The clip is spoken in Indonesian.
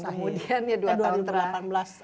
kemudian ya dua tahun terakhir